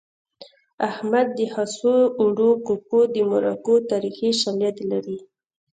احمد د خسو د اوړو ککو د مرکو تاریخي شالید لري